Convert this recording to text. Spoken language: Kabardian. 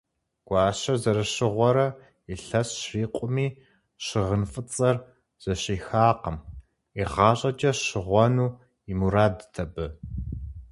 Гуащэр зэрыщыгъуэрэ илъэс щрикъуми, щыгъын фӏыцӏэр зыщихакъым: игъащӏэкӏэ щыгъуэну и мурадт абы.